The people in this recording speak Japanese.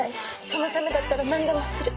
そのためだったら何でもする！